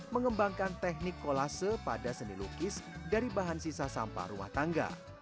mengembangkan teknik kolase pada seni lukis dari bahan sisa sampah rumah tangga